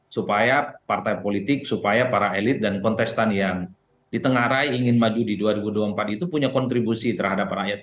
supaya partai politik supaya para elit dan kontestan yang ditengarai ingin maju di dua ribu dua puluh empat itu punya kontribusi terhadap rakyat